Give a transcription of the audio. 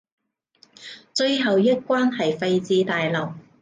最後一關喺廢置大樓